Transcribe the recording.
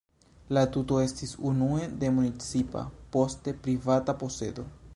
La tuto estis unue de municipa, poste privata posedo.